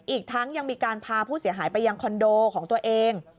อีกทั้งยังมีการพาผู้เสียหายไปยังคอนโดของตัวเอง